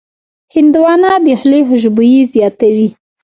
هندوانه د خولې خوشبويي زیاتوي.